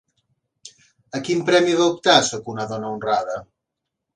A quin premi va optar Sóc una dona honrada?